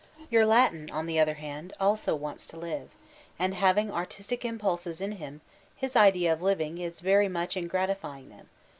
Your Latin, on the other hand, also wants to live ; and having artistic impulses in him, his idea of living b very much in gratifying them.